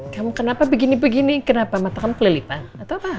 kamu kenapa begini begini kenapa mata kamu kelilipan atau apa